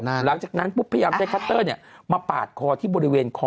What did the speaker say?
นั้นหลังจากนั้นปุ๊บพยายามได้เนี้ยมาปาดคอที่บริเวณคอ